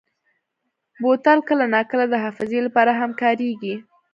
بوتل کله ناکله د حافظې لپاره هم کارېږي.